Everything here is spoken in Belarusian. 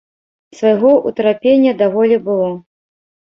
Свайго ўтрапення даволі было.